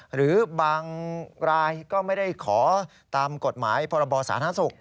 หรือบางรายก็ไม่ได้ขอตามกฎหมายพรบสาธารณสุข